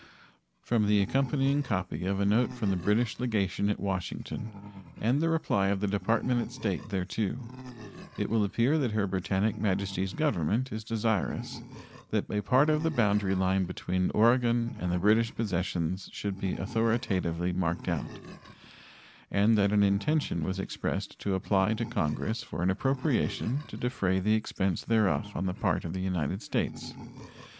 From the accompanying copy of a note from the British legation at Washington and the reply of the Department of State thereto it will appear that Her Britannic Majesty's Government is desirous that a part of the boundary line between Oregon and the British possessions should be authoritatively marked out, and that an intention was expressed to apply to Congress for an appropriation to defray the expense thereof on the part of the United States.